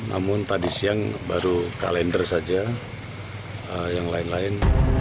namun tadi siang baru kalender saja yang lain lain